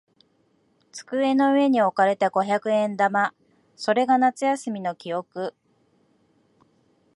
机の上に置かれた五百円玉。それが夏休みの記憶。